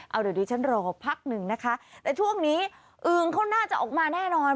เอาเดี๋ยวดิฉันรอพักหนึ่งนะคะแต่ช่วงนี้อึงเขาน่าจะออกมาแน่นอน